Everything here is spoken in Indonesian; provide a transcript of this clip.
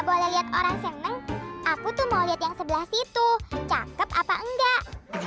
boleh lihat orang seneng aku tuh mau lihat yang sebelah situ cakep apa enggak